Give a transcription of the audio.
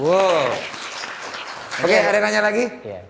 wow oke ada yang nanya lagi